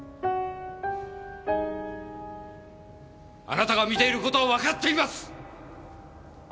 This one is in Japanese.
あなたが見ている事はわかっています！